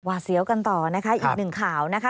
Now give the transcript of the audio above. หวาเสียวกันต่ออีกหนึ่งข่าวนะคะ